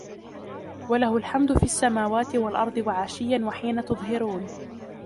وَلَهُ الْحَمْدُ فِي السَّمَاوَاتِ وَالْأَرْضِ وَعَشِيًّا وَحِينَ تُظْهِرُونَ